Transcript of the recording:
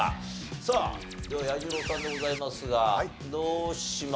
さあでは彌十郎さんでございますがどうします？